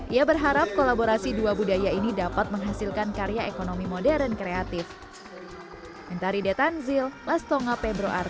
ia berharap kolaborasi dua budaya ini dapat menghasilkan karya ekonomi modern kreatif